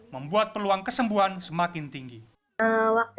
cepat memeriksakan diri dan pengobatan yang terakhir